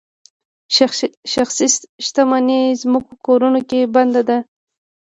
شخصي شتمني ځمکو کورونو کې بنده ده.